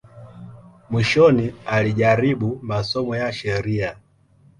Mwishoni alijaribu masomo ya sheria.